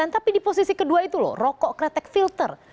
tapi di posisi kedua itu loh rokok kretek filter